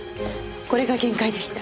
これが限界でした。